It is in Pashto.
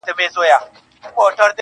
نور پخلا یو زموږ او ستاسي دي دوستي وي!.